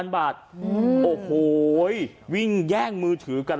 ๖๘๐๐๐บาทโอ้โหวิ่งแย่งมือถือกัน